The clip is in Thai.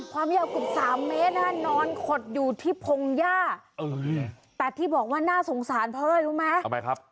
ความยาวขุม๓เมตรนอนขดอยู่ที่พงศ์ย่าแต่ที่บอกว่าน่าสงสารเพราะอะไรรู้ไหม